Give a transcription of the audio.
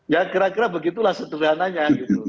ya kira kira begitulah sederhananya gitu